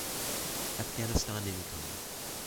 Afghanistan income.